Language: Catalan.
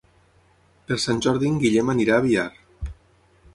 Per Sant Jordi en Guillem anirà a Biar.